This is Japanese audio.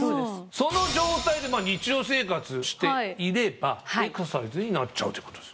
その状態で日常生活していればエクササイズになっちゃうっていうことです。